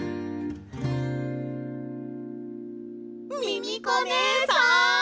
ミミコねえさん。